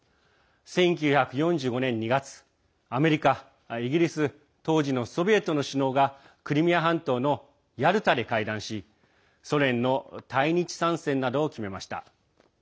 １９４５年２月アメリカ、イギリス当時のソビエトの首脳がクリミア半島のヤルタで会談しソ連の対日参戦などを決めました。